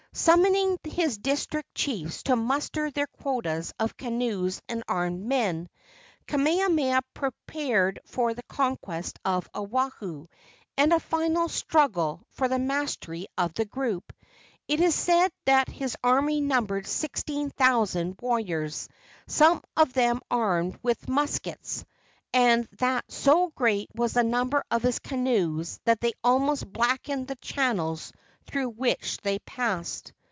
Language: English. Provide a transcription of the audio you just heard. Summoning his district chiefs to muster their quotas of canoes and armed men, Kamehameha prepared for the conquest of Oahu and a final struggle for the mastery of the group. It is said that his army numbered sixteen thousand warriors, some of them armed with muskets, and that so great was the number of his canoes that they almost blackened the channels through which they passed.